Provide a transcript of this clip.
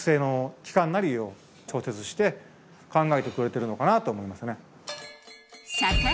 考えてくれてるのかなと思いますね。